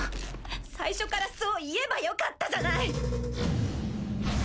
最初からそう言えばよかったじゃない。